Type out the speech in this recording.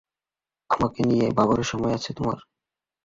আমাকে নিয়ে ভাবার সময় আছে তোমার?